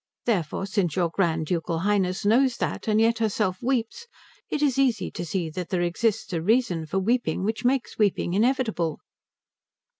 Therefore, since your Grand Ducal Highness knows that and yet herself weeps, it is easy to see that there exists a reason for weeping which makes weeping inevitable."